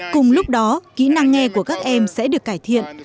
cùng lúc đó kỹ năng nghe của các em sẽ được cải thiện